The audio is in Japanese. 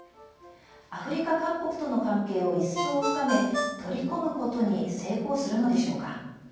アフリカ各国との関係を一層深め取り込むことに成功するのでしょうか。